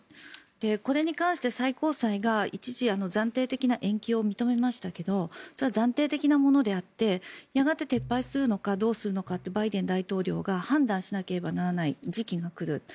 これに関して最高裁が一時暫定的な延期を認めましたがそれは暫定的なものであってやがて撤廃するのかどうするのかってバイデン大統領が判断しなければならない時期が来る。